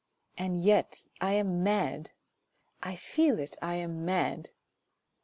And yet I am mad ; I feel it, I am mad.